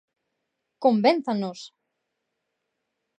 ¡Convénzannos!